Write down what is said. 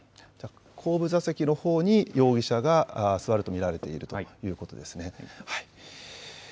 後部座席のほうに容疑者が座ると見られているということですね。